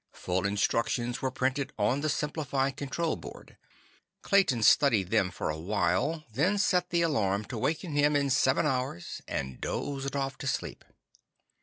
Full instructions were printed on the simplified control board. Clayton studied them for a while, then set the alarm to waken him in seven hours and dozed off to sleep.